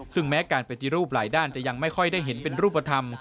ซึ่งแม้การปฏิรูปหลายด้านจะยังไม่ค่อยได้เห็นเป็นรูปธรรม